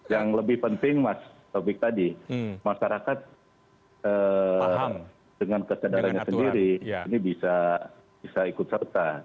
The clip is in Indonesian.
yang lebih penting mas taufik tadi masyarakat dengan kesadarannya sendiri ini bisa ikut serta